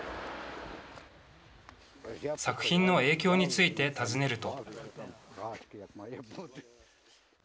作品の影響について尋ねると。